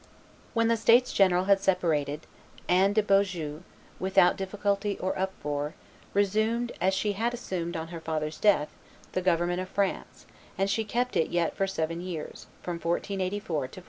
When the states general had separated, Anne de Beaujeu, without difficulty or uproar, resumed, as she had assumed on her father's death, the government of France; and she kept it yet for seven years, from 1484 to 1491.